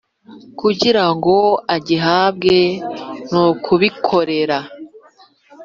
kugira ngo agihabwe nukubikorera